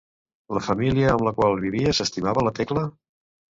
La família amb la qual vivia s'estimava la Tecla?